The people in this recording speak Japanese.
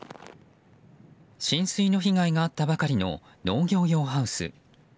浸水の被害があったばかりの農業用ハウス。